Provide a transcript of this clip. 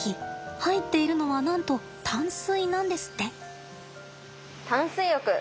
入っているのはなんと淡水なんですって。